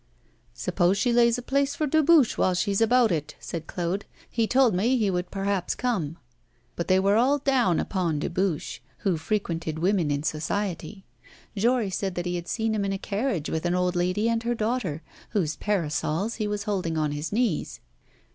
'Suppose she lays a place for Dubuche, while she is about it,' said Claude. 'He told me he would perhaps come.' But they were all down upon Dubuche, who frequented women in society. Jory said that he had seen him in a carriage with an old lady and her daughter, whose parasols he was holding on his knees.